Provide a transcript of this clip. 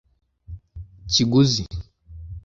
kiguzi.